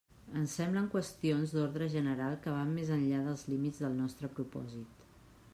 Ens semblen qüestions d'ordre general que van més enllà dels límits del nostre propòsit.